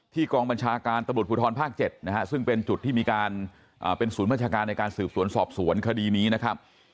กองบัญชาการตำรวจภูทรภาค๗นะฮะซึ่งเป็นจุดที่มีการเป็นศูนย์บัญชาการในการสืบสวนสอบสวนคดีนี้นะครับ